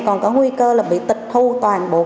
còn có nguy cơ là bị tịch thu toàn bộ